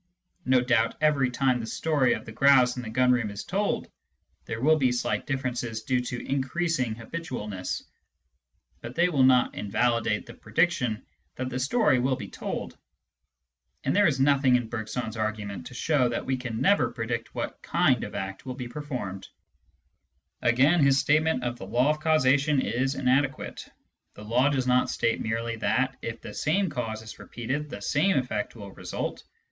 No doubt every time the story of the grouse in the gun room is told, there will be slight differences due to increasing habitualness, but they do not invalidate the prediction that the story will be told. And there is nothing in Bergson*s argument Digitized by Google ON THE NOTION OF CAUSE 231 to show that we can never predict what kind of act will be performed. Again, his statement of the law of causation is inadequate. The law does not state merely that, if the same cause is repeated, the same effect will result.